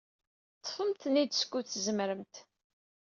Ḍḍfemt-ten-id skud tzemremt.